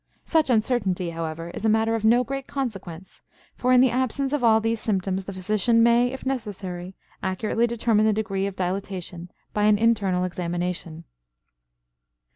Such uncertainty, however, is a matter of no great consequence, for in the absence of all these symptoms the physician may, if necessary, accurately determine the degree of dilatation by an internal examination.